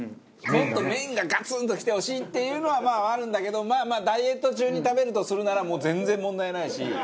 もっと麺がガツンときてほしいっていうのはまああるんだけどまあまあダイエット中に食べるとするならもう全然問題ないし。